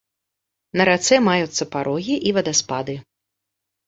На рацэ маюцца парогі і вадаспады.